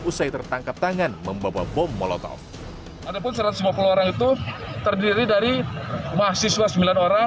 usai tertangkap tangan membawa bom molotov